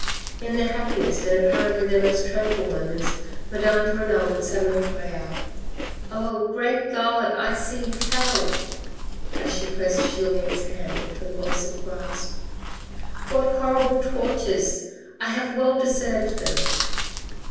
In their happiest and apparently their most tranquil moments, Madame de Renal would suddenly cry out, " Oh, great God, I see hell," as she pressed Julien's hand with a convulsive grasp. " What horrible tortures ! I have well deserved them."